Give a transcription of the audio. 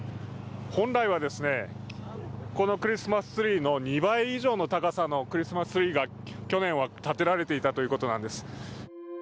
本来はこのクリスマスツリーの２倍以上の高さのクリスマスツリーが去年は立てられていたということなんです。